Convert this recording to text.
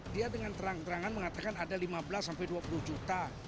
dia dengan terang terangan mengatakan ada lima belas sampai dua puluh juta